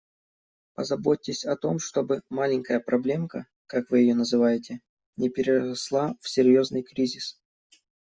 Позаботьтесь о том, чтобы «маленькая проблемка», как вы ее называете, не переросла в серьёзный кризис.